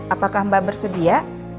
apakah mbak bersedia